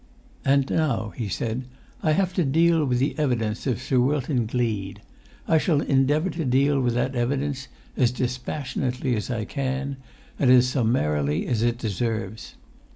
"And now," he said, "I have to deal with the evidence of Sir Wilton Gleed. I shall endeavour to deal with that evidence as dispassionately as I can, and as summarily as it deserves.